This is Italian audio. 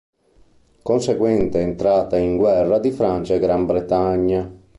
Conseguente entrata in guerra di Francia e Gran Bretagna.